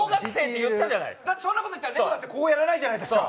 そんなこといったらネコだってこうやらないじゃないですか。